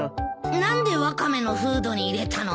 何でワカメのフードに入れたの？